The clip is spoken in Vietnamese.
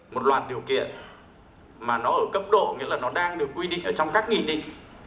một loạt điều kiện mà nó ở cấp độ nghĩa là nó đang được quy định ở trong các nghị định